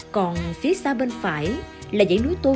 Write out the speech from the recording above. còn phía xa bên phải là dãy núi tô